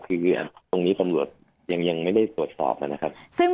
คือตรงนี้ตำรวจยังไม่ได้ตรวจสอบนะครับ